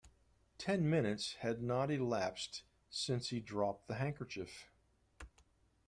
Ten minutes had not elapsed since he had dropped the handkerchief.